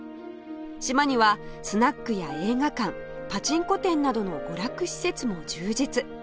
島にはスナックや映画館パチンコ店などの娯楽施設も充実